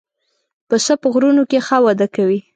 پسه په غرونو کې ښه وده کوي.